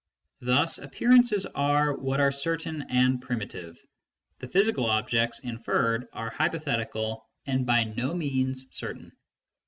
Thus, appearances are what are certain and primitive ;' the physical objects inferred are hypothetical and by no means certain.